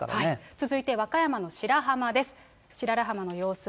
続いて、和歌山の白浜です。